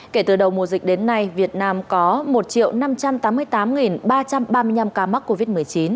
kể từ đầu mùa dịch đến nay việt nam có một năm trăm tám mươi tám ba trăm ba mươi năm ca mắc covid một mươi chín